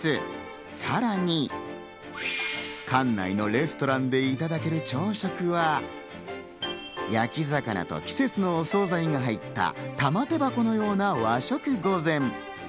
さらに、館内のレストランでいただける朝食は、焼き魚と季節のお惣菜が入った玉手箱のような和食御膳。